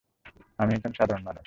আমি একজন সাধারণ মানুষ।